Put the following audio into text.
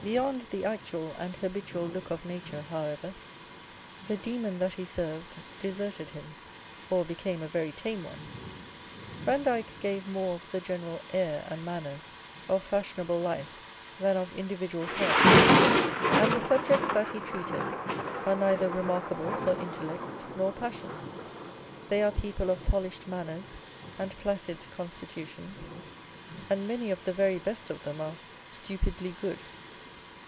Beyond the actual and habitual look of nature, however, " the demon that he served " deserted him, or became a very tame one. Vandyke gave more of the general air and manners of fashionable life than of indi vidual character ; and the subjects that he treated are neither remarkable for intellect nor passion. They are people of polished manners and placid constitutions ; and many of the very best of them are " stupidly good."